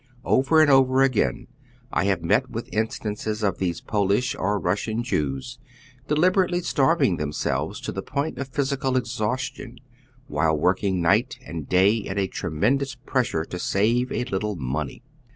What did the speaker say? Over and over again I have met with instances of these Polish or Kussiaii Jews deliberately starving themselves to the point of physical exhaustion, while working night and day at a tremendous pressure to save a little money.